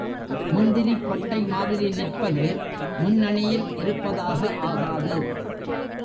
முந்திரிக்கொட்டை மாதிரி நிற்பது முன்னணியில் இருப்பதாக ஆகாது.